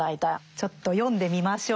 ちょっと読んでみましょう。